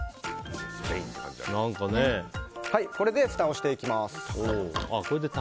これで、ふたをしていきます。